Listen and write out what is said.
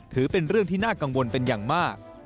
ถือเป็นเรื่องที่น่ากังวลเป็นอย่างมาก